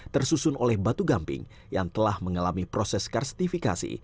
tersusun oleh batu gamping yang telah mengalami proses karstifikasi